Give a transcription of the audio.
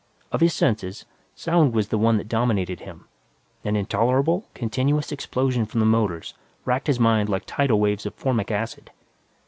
Of his senses, sound was the one that dominated him; an intolerable, continuous explosion from the motors racked his mind like tidal waves of formic acid.